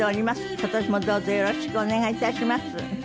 今年もどうぞよろしくお願い致します。